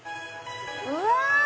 うわ！